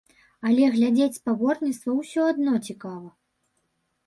Але глядзець спаборніцтва ўсё адно цікава.